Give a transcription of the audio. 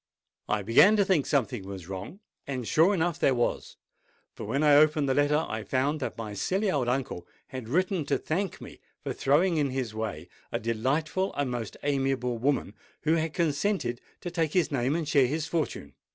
I began to think something was wrong; and sure enough there was! For, when I opened the letter, I found that my silly old uncle had written to thank me for throwing in his way a delightful and most amiable woman, who had consented to take his name and share his fortune.